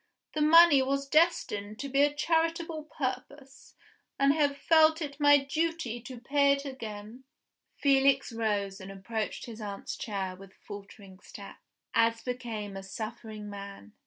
The money was destined to a charitable purpose; and I have felt it my duty to pay it again." Felix rose and approached his aunt's chair with faltering steps, as became a suffering man.